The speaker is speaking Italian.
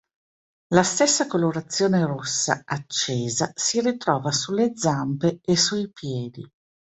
La stessa colorazione rossa accesa si ritrova sulle zampe e sui piedi.